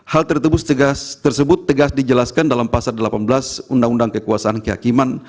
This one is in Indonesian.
hal tersebut tegas dijelaskan dalam pasal delapan belas undang undang kekuasaan kehakiman